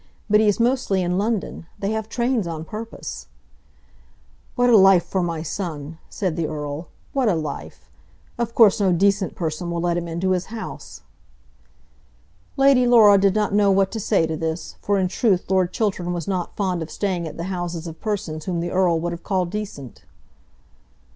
But he is mostly in London. They have trains on purpose." "What a life for my son!" said the Earl. "What a life! Of course no decent person will let him into his house." Lady Laura did not know what to say to this, for in truth Lord Chiltern was not fond of staying at the houses of persons whom the Earl would have called decent.